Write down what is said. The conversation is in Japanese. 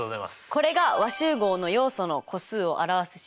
これが和集合の要素の個数を表す式になります。